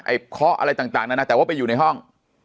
เคาะอะไรต่างนานาแต่ว่าไปอยู่ในห้อง